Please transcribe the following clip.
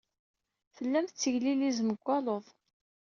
Tellam tetteglilizem deg waluḍ.